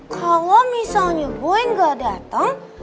kalau misalnya boy gak datang